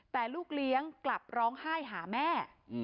แต่ลูกเลี้ยงกลับร้องไห้หาแม่